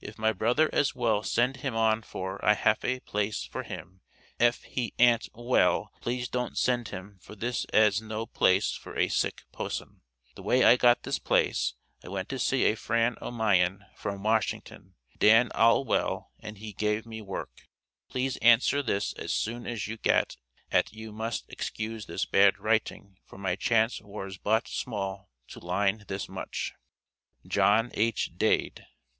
If my brother as well send him on for I haf a plase for him ef he ant well please don't send him for this as no plase for a sik possan. The way I got this plase I went to see a fran of myen from Washington. Dan al well and he gave me werke. Pleas ancer this as soon as you gat et you must excues this bad riting for my chance wars bot small to line this mouch, JOHN H. DADE.